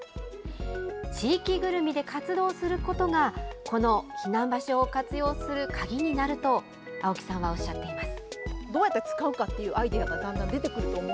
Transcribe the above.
地域ぐるみで活動することが、この避難場所を活用する鍵になると、青木さんはおっしゃっています。